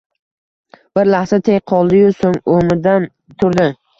Bir lahza tek qoldi-yu, so‘ng o‘midan turdi.